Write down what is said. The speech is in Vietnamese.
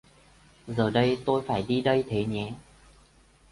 Giờ tôi phải đi đây Thế nhé